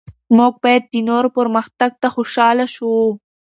موږ باید د نورو پرمختګ ته خوشحال شو.